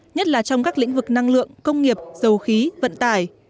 nhất là trong các lĩnh vực năng lượng công nghiệp dầu khí vận tải